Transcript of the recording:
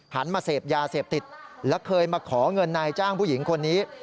มาเสพยาเสพติดและเคยมาขอเงินนายจ้างผู้หญิงคนนี้